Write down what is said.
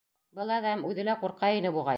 Был әҙәм үҙе лә ҡурҡа ине, буғай.